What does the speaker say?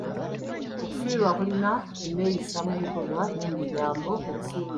Okufiirwa kulina enneeyisa mu bikolwa ne mu bigambo ebisuubirwa mu bantu.